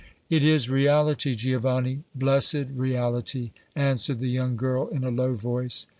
"It is reality, Giovanni, blessed reality," answered the young girl in a low voice.